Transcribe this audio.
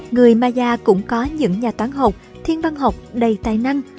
người maya cũng có những nhà toán học thiên văn học đầy tài năng